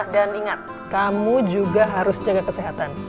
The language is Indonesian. dan ingat kamu juga harus jaga kesehatan